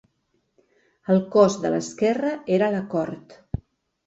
El cós de l'esquerra era la cort.